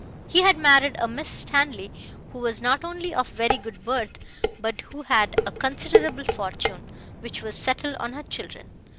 He had married a Miss Stanley, who was not only of very good birth, but who had a considerable fortune, which was settled on her children.